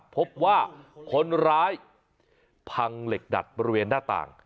พบว่าคนร้ายพังเหล็กดัดบริเวณหน้าต่าง